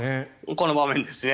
この場面ですね。